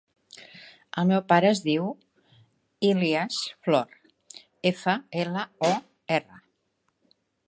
El meu pare es diu Ilyas Flor: efa, ela, o, erra.